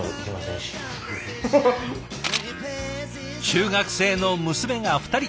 中学生の娘が２人。